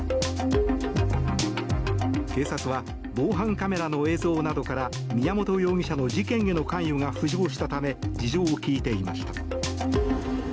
警察は防犯カメラの映像などから宮本容疑者の事件への関与が浮上したため事情を聴いていました。